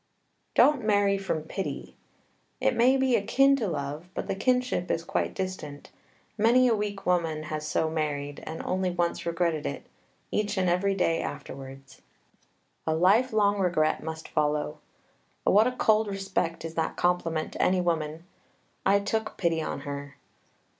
Don't marry from pity. It may be akin to love, but the kinship is quite distant. Many a weak woman has so married, and only once regretted it each and every day afterwards. A life long regret must follow. What a cold respect is that compliment to any woman, "I took pity on her!"